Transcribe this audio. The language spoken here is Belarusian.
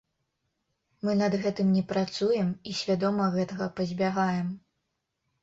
Мы над гэтым не працуем і свядома гэтага пазбягаем.